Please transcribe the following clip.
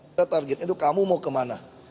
kita targetnya itu kamu mau kemana